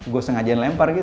gue sengaja lempar gitu